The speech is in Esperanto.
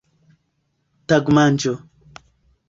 tagmanĝo